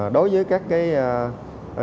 đối với các nhà ở cơ hợp sinh sức kinh doanh